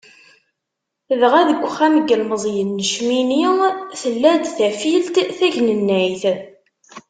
Dɣa deg Uxxam n yilmeẓyen n Cemmini, tella-d tafilt tagnennayt.